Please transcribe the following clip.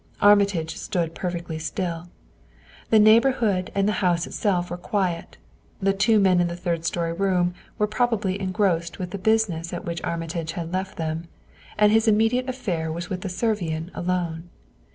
Armitage stood perfectly still. The neighborhood and the house itself were quiet; the two men in the third story room were probably engrossed with the business at which Armitage had left them; and his immediate affair was with the Servian alone.